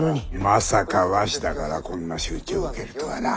まさか鷲田からこんな仕打ちを受けるとはな。